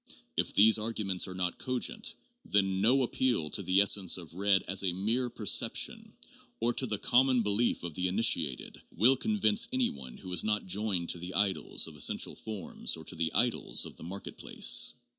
If these argu ments are not cogent, then no appeal to the essence of red as a mere perception, or to the common belief of the initiated, will con vince any one who is not joined to the idols of essential forms or to the idols of the market place.